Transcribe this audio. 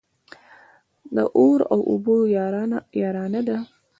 د اور او اوبو يارانه ده.